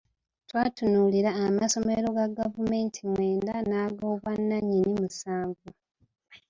Twatunuulira amasomero ga gavumenti mwenda nag’obwannannyini musanvu.